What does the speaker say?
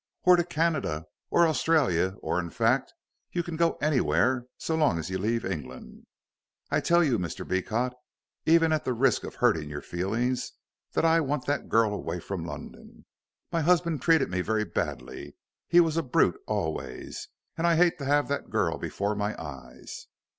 "Or to Canada, or Australia, or in fact you can go anywhere, so long as you leave England. I tell you, Mr. Beecot, even at the risk of hurting your feelings, that I want that girl away from London. My husband treated me very badly he was a brute always and I hate to have that girl before my eyes."